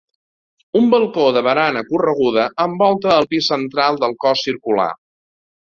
Un balcó de barana correguda envolta el pis central del cos circular.